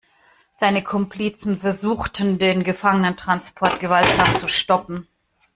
Seine Komplizen versuchten den Gefangenentransport gewaltsam zu stoppen.